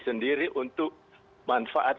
sendiri untuk manfaat